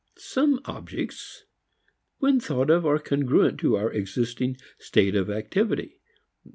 Some objects when thought of are congruent to our existing state of activity.